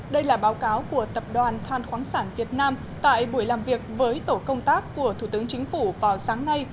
đây là báo cáo của tập đoàn than khoáng sản việt nam tại buổi làm việc với tổ công tác của thủ tướng chính phủ vào sáng nay